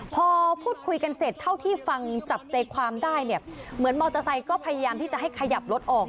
พอพูดคุยกันเสร็จเท่าที่ฟังจับใจความได้เนี่ยเหมือนมอเตอร์ไซค์ก็พยายามที่จะให้ขยับรถออก